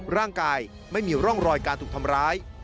ร่างกายไม่มีร่องรอยการถูกทำร้าย